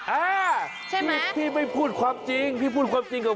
อ่าใช่พี่ไม่พูดความจริงพี่พูดความจริงกับ